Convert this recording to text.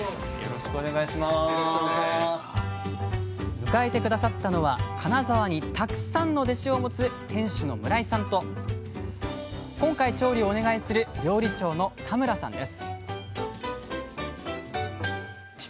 迎えて下さったのは金沢にたくさんの弟子を持つ店主の村井さんと今回調理をお願いする料理長の田村さんです